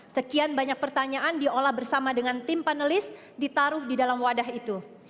sekian banyak pertanyaan diolah bersama dengan tim panelis ditaruh di dalam wadah itu